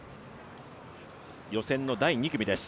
予選の第２組です。